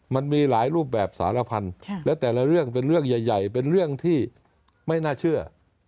มันมีหลายรูปแบบสารพันธุ์และแต่ละเรื่องเป็นเรื่องใหญ่เป็นเรื่องที่ไม่น่าเชื่อ